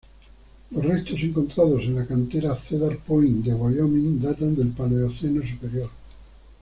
Los restos encontrados en la Cantera Cedar Point de Wyoming datan del Paleoceno Superior.